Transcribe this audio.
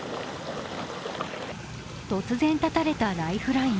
突然、絶たれたライフライン。